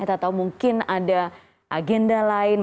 atau mungkin ada agenda lain